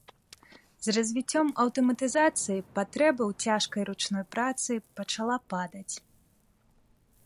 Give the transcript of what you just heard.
З развіццём аўтаматызацыі патрэба ў цяжкім ручным працы пачала падаць.